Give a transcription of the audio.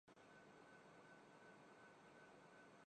جھوٹ بولنا بُری عادت ہے اور عموماً بچے اس کا شکار ہوجاتے ہیں